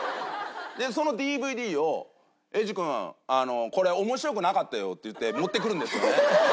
そのＤＶＤを英二君これ面白くなかったよって言って持ってくるんですよね。